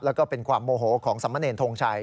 แล้วก็เป็นความโมโหของสมเนรทงชัย